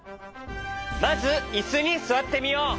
まずイスにすわってみよう。